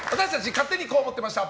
勝手にこう思ってました！